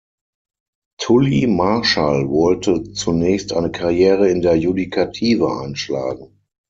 Tully Marshall wollte zunächst eine Karriere in der Judikative einschlagen.